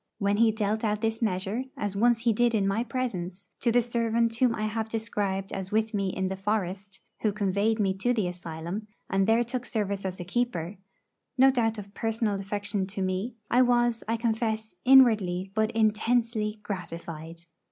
When he dealt out this measure, as once he did in my presence, to the servant whom I have described as with me in the forest, who conveyed me to the asylum, and there took service as a keeper no doubt of personal affection to me I was, I confess, inwardly but intensely gratified.